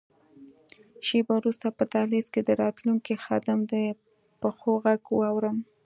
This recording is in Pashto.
شیبه وروسته په دهلېز کې د راتلونکي خادم د پښو ږغ واورم.